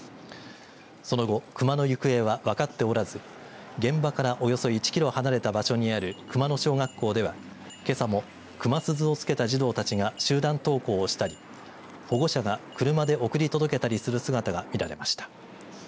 その後クマの行方は分かっておらず現場からおよそ１キロ離れた場所にある熊野小学校では、けさもクマ鈴をつけた児童たちが集団登校をしたり保護者が車で送り届けたりする姿が見られました。